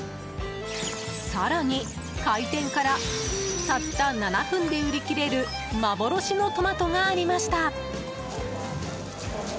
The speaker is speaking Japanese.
更に、開店からたった７分で売り切れる幻のトマトがありました。